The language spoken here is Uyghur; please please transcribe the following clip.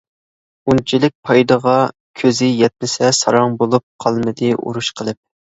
ئۇنچىلىك پايدىغا كۆزى يەتمىسە ساراڭ بولۇپ قالمىدى ئۇرۇش قىلىپ.